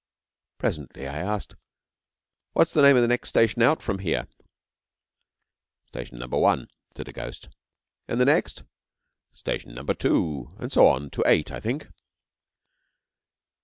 Presently I asked: 'What is the name of the next station out from here?' 'Station Number One,' said a ghost. 'And the next?' 'Station Number Two, and so on to Eight, I think.'